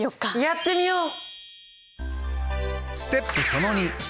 やってみよう！